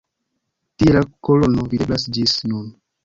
Tie la kolono videblas ĝis nun.